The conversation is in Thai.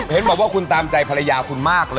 เห็นบอกว่าคุณตามใจภรรยาคุณมากเลย